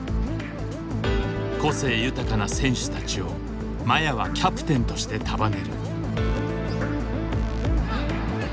個性豊かな選手たちを麻也はキャプテンとして束ねる。